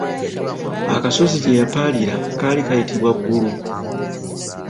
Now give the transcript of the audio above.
Akasozi gye yapaalira kaali kayitibwa Ggulu.